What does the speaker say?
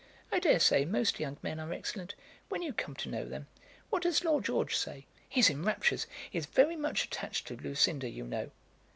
"I dare say most young men are excellent, when you come to know them. What does Lord George say?" "He's in raptures. He is very much attached to Lucinda, you know."